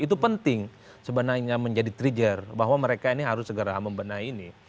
itu penting sebenarnya menjadi trigger bahwa mereka ini harus segera membenahi ini